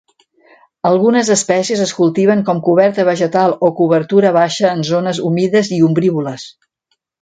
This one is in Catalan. Algunes espècies es cultiven com coberta vegetal o cobertura baixa en zones humides i ombrívoles.